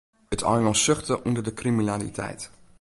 It eilân suchte ûnder de kriminaliteit.